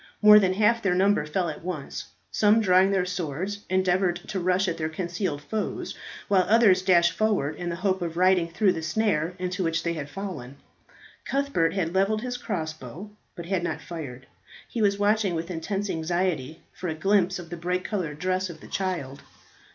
More than half their number fell at once; some, drawing their swords, endeavoured to rush at their concealed foes, while others dashed forward in the hope of riding through the snare into which they had fallen. Cuthbert had levelled his crossbow, but had not fired; he was watching with intense anxiety for a glimpse of the bright coloured dress of the child.